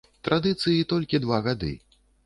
Традыцыі толькі два гады.